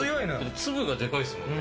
粒がでかいですもんね。